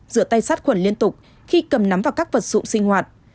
rửa tay sát khuẩn liên tục khi cầm nắm vào các vật dụng sinh hoạt